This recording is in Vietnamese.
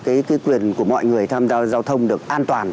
cái quyền của mọi người tham gia giao thông được an toàn